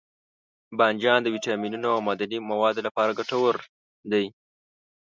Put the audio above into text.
بانجان د ویټامینونو او معدني موادو لپاره ګټور دی.